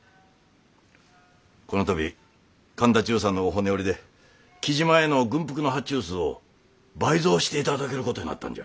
この度神田中佐のお骨折りで雉真への軍服の発注数を倍増していただけることになったんじゃ。